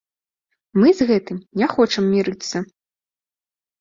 Мы з гэтым не хочам мірыцца.